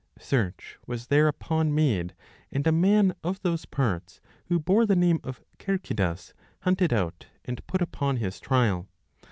Search was there upon made and a man of those parts who bore the name of Cercidas hunted out and put upon his trial.